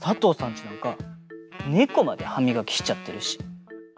ちなんかねこまではみがきしちゃってるし。